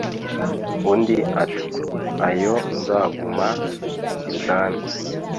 undi ati"oya nzaguma ibwami